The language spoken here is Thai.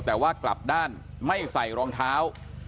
แต่ว่ากลับด้านไม่ใส่รองเท้า